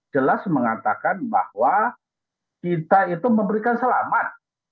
jelas mengatakan bahwa kita itu memberikan selamat